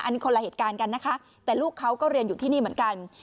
อันนี้คนละเหตุการณ์กันนะคะแต่ลูกเขาก็เรียนอยู่ที่นี่เหมือนกัน